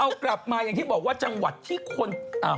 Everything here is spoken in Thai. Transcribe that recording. เอากลับมาอย่างที่บอกว่าจังหวัดที่คนอ่า